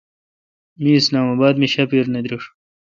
می اسلام اباد مے° شاپیر نہ دریݭ۔